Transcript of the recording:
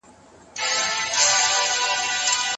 سپاره باید پیاده ته سلام وکړي.